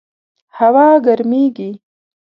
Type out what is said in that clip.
هوا ګرمیږي